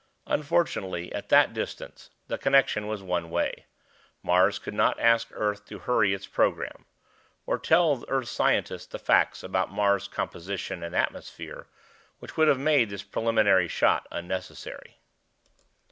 Unfortunately, at that distance, the connection was one way. Mars could not ask Earth to hurry its program. Or tell Earth scientists the facts about Mars' composition and atmosphere which would have made this preliminary shot unnecessary.